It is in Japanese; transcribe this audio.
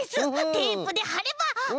テープではれば。